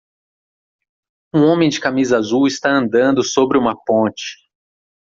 Um homem de camisa azul está andando sobre uma ponte.